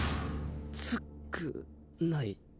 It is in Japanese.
つくない。